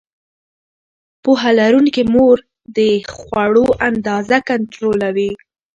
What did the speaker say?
پوهه لرونکې مور د خوړو اندازه کنټرولوي.